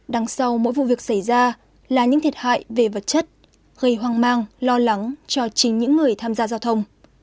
đằng sau mỗi vụ việc xảy ra là những thiệt hại về vật chất gây hoang mang lo lắng cho chính những người tham gia giao thông